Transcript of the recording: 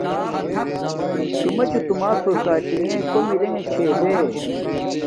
تو میے چوں توما سوساٹیاں کوم ارے گی چھی یے۔